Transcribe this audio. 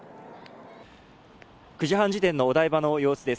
９時半時点のお台場の様子です。